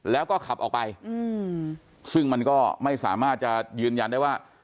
แล้วก็ขับออกไปซึ่งมันก็ไม่สามารถจะยืนยันได้ว่า